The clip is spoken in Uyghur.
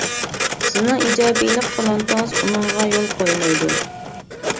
سىزنىڭ ئىجابىيلىق تالانتىڭىز ئۇنىڭغا يول قويمايدۇ.